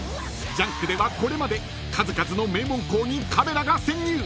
［『ジャンク』ではこれまで数々の名門校にカメラが潜入！］